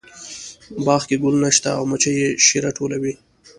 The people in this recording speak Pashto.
باغ کې ګلونه شته او مچۍ یې شیره ټولوي